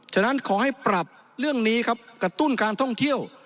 ฉะนั้นขอให้ปรับเรื่องนี้ครับกระตุ้นการท่องเที่ยว